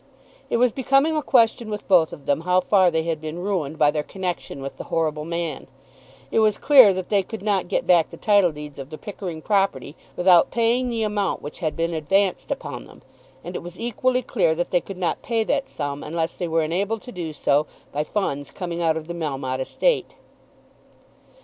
It was becoming a question with both of them how far they had been ruined by their connection with the horrible man. It was clear that they could not get back the title deeds of the Pickering property without paying the amount which had been advanced upon them, and it was equally clear that they could not pay that sum unless they were enabled to do so by funds coming out of the Melmotte estate.